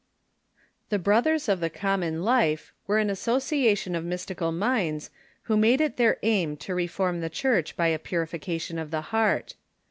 The Brothers of the Common Life were an association of mystical minds who made it their aim to reform the Church by a purification of tlie heart.